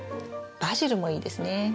バジルもいいですね。